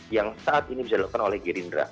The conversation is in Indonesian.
yang saat ini bisa dilakukan oleh gerindra